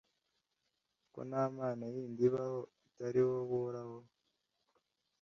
ko nta mana yindi ibaho itari wowe, uhoraho